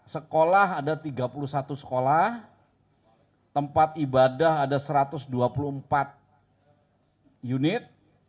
sekolah ada tiga puluh satu sekolah tempat ibadah ada satu ratus dua puluh empat unit